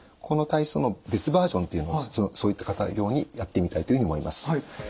この体操の別バージョンというのはそういった方用にやってみたいというふうに思います。